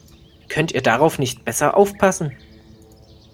Könnt ihr darauf nicht besser aufpassen?